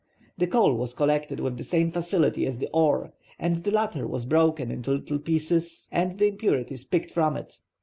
The coal was collected with the same facility as the ore, and the latter was broken into little pieces and the impurities picked from it.